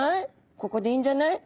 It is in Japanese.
ここでいいんじゃない？